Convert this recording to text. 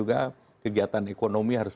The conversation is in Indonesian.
dan kegiatan ekonomi harus